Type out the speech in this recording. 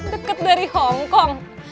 deket dari hongkong